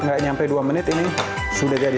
nggak nyampe dua menit ini sudah jadi